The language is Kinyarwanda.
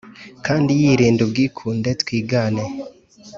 Kandi yirinda ubwikunde twigane